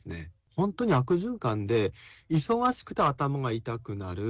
本当に悪循環で忙しくて頭が痛くなる。